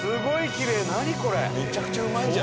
めちゃくちゃうまいんじゃ。